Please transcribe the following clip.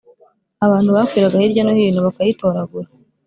Abantu bakwiraga hirya no hino bakayitoragura